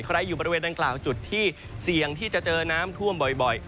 อยู่บริเวณดังกล่าวจุดที่เสี่ยงที่จะเจอน้ำท่วมบ่อย